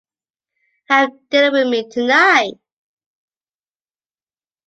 Have dinner with me tonight.